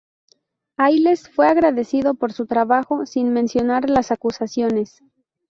Ailes fue agradecido por su trabajo, sin mencionar las acusaciones.